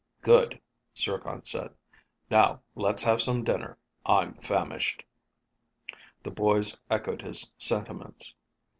"Good," Zircon said. "Now, let's have some dinner. I'm famished." The boys echoed his sentiments.